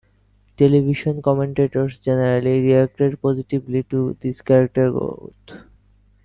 Television commentators generally reacted positively to this character growth.